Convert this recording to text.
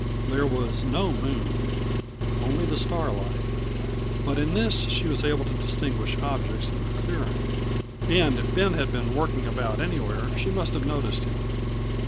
There was no moon, only the starlight, but in this she was able to distinguish objects in the clearing, and if Ben had been working about anywhere she must have noticed him.